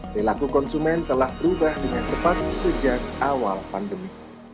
perilaku konsumen telah berubah dengan cepat sejak awal pandemi